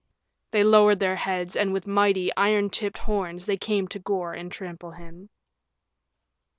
They lowered their heads, and with mighty, iron tipped horns they came to gore and trample him.